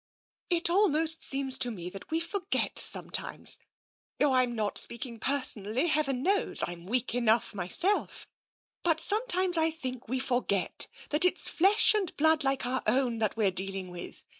" It almost seems to me that we forget sometimes — oh, Tm not speaking personally. Heaven knows, Tm weak enough myself — but sometimes I think we for get that it's flesh and blood like our own that we're dealing with.